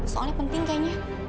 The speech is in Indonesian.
soalnya penting kayaknya